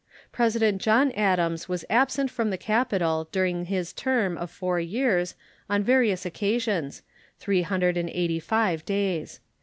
President John Adams was absent from the capital during his term of four years, on various occasions, three hundred and eighty five days.